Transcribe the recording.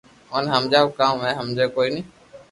اوني ھمجاوُ ڪاوُ او ھمجي ڪوئي ني